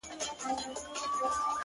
خدايه ژر ځوانيمرگ کړې چي له غمه خلاص سو-